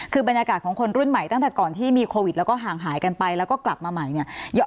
คือบรรยากาศของคนรุ่นใหม่ตั้งแต่ก่อนที่มีโควิดแล้วก็ห่างหายกันไปแล้วก็กลับมาใหม่เนี่ย